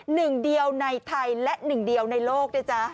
หนึ่งเดียวในไทยและหนึ่งเดียวในโลกนะจ๊ะ